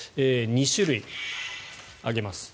２種類あります。